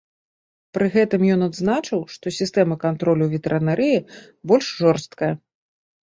Пры гэтым ён адзначыў, што сістэма кантролю ў ветэрынарыі больш жорсткая.